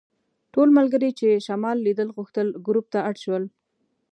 ټول ملګري چې شمال لیدل غوښتل ګروپ ته اډ شول.